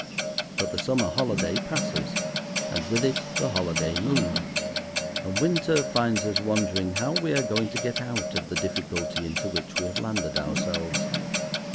But the summer holiday passes, and with it the holiday mood, and winter finds us wondering how we are going to get out of the difficulty into which we have landed ourselves.